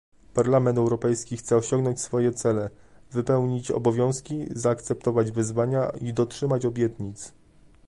Parlament Europejski chce osiągnąć swoje cele, wypełnić obowiązki, zaakceptować wyzwania i dotrzymać obietnic